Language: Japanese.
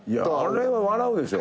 あれ笑うでしょ？